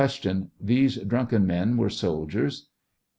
These drunken men were soldiers